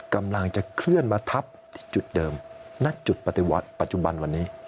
กำลังจะเคลื่อนมาทับที่จุดเดิมณจุดปฏิวัติปัจจุบันวันนี้